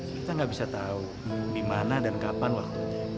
kita gak bisa tahu di mana dan kapan waktu